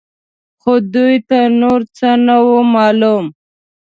خو دوی ته نور څه نه وو معلوم.